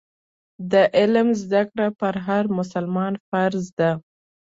د علم زده کړه پر هر مسلمان فرض ده.